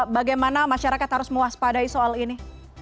bagaimana masyarakat harus mewaspadai soal ini